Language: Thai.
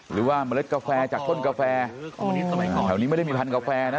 หรือว่าเมล็ดกาแฟจากต้นกาแฟแถวนี้ไม่ได้มีพันธแฟนะ